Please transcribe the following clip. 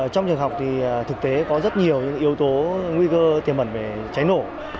trong trường học thì thực tế có rất nhiều yếu tố nguy cơ tiềm mẩn về cháy nổ